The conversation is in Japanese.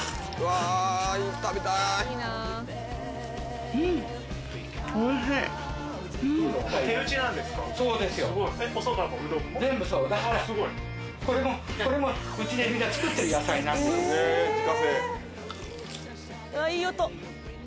あいい音。